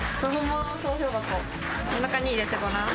中に入れてごらん。